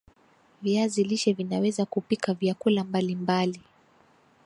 viazi lishe vinaweza kupika vyakula mbali mbali